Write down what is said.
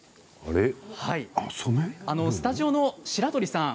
スタジオの白鳥さん